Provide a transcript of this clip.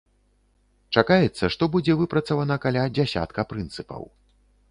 Чакаецца, што будзе выпрацавана каля дзясятка прынцыпаў.